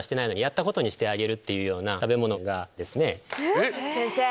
えっ⁉先生！